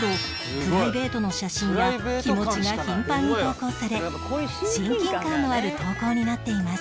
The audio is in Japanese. プライベートの写真や気持ちが頻繁に投稿され親近感のある投稿になっています